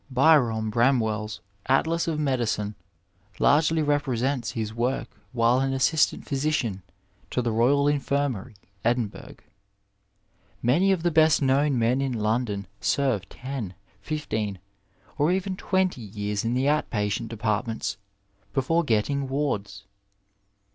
Byrom Bramwell's AUas of Medicine largely represents his work while an assistant physician to the Royal Infirmary, Edinburgh. Many of the best known men in London serve ten, fifteen, or even twenty years in the out patient departments before getting wards.